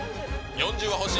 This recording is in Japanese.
４０は欲しい。